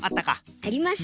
ありました。